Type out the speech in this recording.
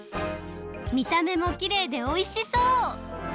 みためもきれいでおいしそう！